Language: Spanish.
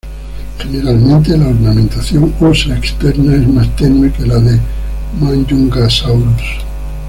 Generalmente la ornamentación ósea externa es más tenue que la de "Majungasaurus".